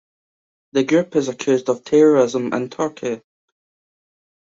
The group is accused of terrorism in Turkey.